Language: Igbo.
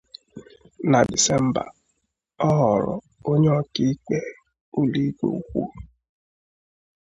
Na Disemba, ọ ghọrọ onye ọka ikpe ụlọ ikpe ukwu.